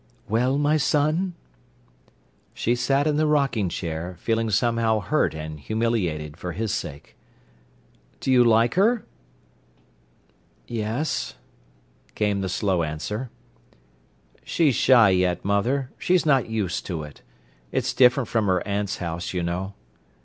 "Well, my son?" She sat in the rocking chair, feeling somehow hurt and humiliated, for his sake. "Do you like her?" "Yes," came the slow answer. "She's shy yet, mother. She's not used to it. It's different from her aunt's house, you know."